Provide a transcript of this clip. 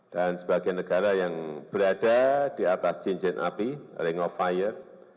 dan sebagai negara yang berada di atas cincin api ring of fire